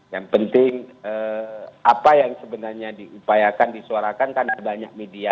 yang penting apa yang sebenarnya diupayakan disuarakan karena banyak media